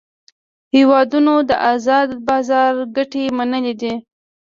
هیوادونو د آزاد بازار ګټې منلې دي